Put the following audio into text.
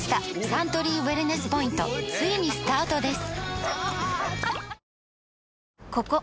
サントリーウエルネスポイントついにスタートです！